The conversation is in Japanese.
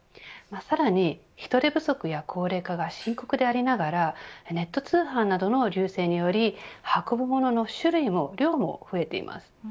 さらに人手不足や高齢化が深刻でありながらネット通販などの隆盛により運ぶ物の種類も量も増えています。